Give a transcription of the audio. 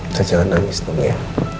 tidak jangan nangis dong ya